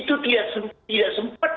itu tidak sempat